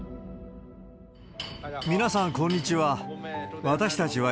皆さん、こんにちは。